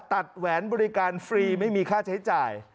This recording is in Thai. แหวนบริการฟรีไม่มีค่าใช้จ่าย